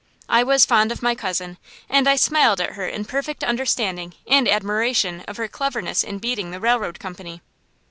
I was fond of my cousin, and I smiled at her in perfect understanding and admiration of her cleverness in beating the railroad company.